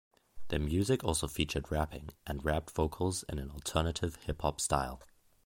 Their music also featured rapping, and rapped vocals in an alternative hip hop style.